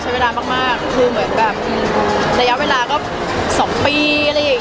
ใช้เวลามากระยะเวลา๒ปี